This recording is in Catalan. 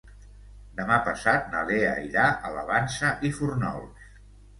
Demà passat na Lea irà a la Vansa i Fórnols.